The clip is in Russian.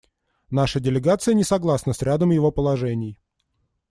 Наша делегация не согласна с рядом его положений.